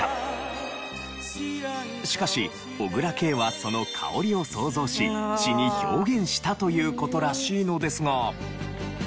しかし小椋佳はその香りを想像し詞に表現したという事らしいのですが。